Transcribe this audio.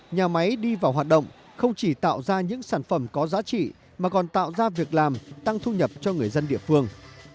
nhà máy đi vào hoạt động không chỉ tạo ra những sản phẩm có giá trị mà còn tạo ra việc làm tăng thu nhập cho người dân địa phương